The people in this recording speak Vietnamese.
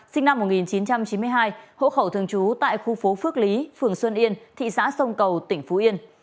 sinh năm một nghìn chín trăm chín mươi hai hộ khẩu thường trú tại khu phố phước lý phường xuân yên thị xã sông cầu tỉnh phú yên